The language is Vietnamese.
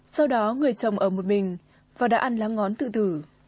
sau đó người chồng ở một mình và đã ăn lá ngón tự tử